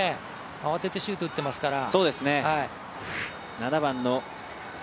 慌ててシュートを打っていますから。